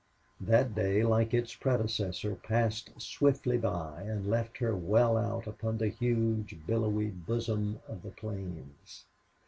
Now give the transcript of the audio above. That day, like its predecessor, passed swiftly by and left her well out upon the huge, billowy bosom of the plains.